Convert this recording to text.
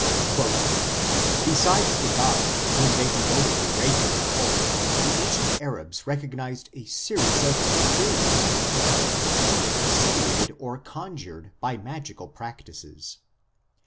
" Besides the gods to whom they devoted a regular cult, the ancient Arabs recognized a series of inferior spirits, whom they conciliated or conjured by magical practices.